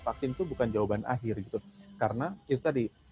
vaksin itu bukan jawaban akhir gitu karena itu tadi